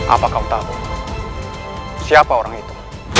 apa kamu tahu siapa orang itu